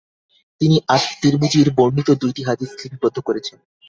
তিনি আত-তিরমিজির বর্ণিত দুইটি হাদিস লিপিবদ্ধ করেছেন।